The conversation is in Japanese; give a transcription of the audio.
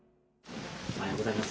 おはようございます。